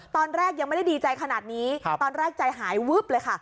ตอนแรกยังไม่ได้ดีใจขนาดนี้ตอนแรกใจหายวึบเลยค่ะ